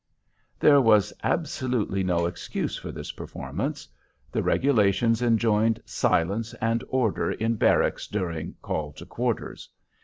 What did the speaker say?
There was absolutely no excuse for this performance. The regulations enjoined silence and order in barracks during "call to quarters."